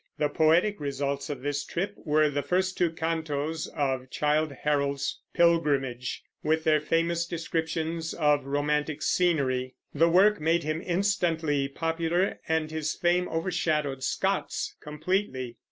The poetic results of this trip were the first two cantos of Childe Harold's Pilgrimage, with their famous descriptions of romantic scenery. The work made him instantly popular, and his fame overshadowed Scott's completely.